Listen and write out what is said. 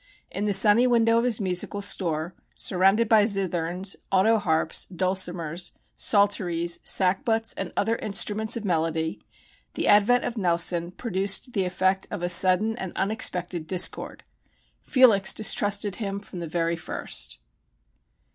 In the sunny window of his musical store, surrounded by zitherns, auto harps, dulcimers, psalteries, sackbuts, and other instrument's of melody, the advent of Nelson produced the effect of a sudden and unexpected discord. Felix distrusted him from the very first.